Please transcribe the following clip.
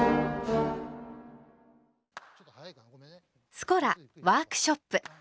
「スコラワークショップ」。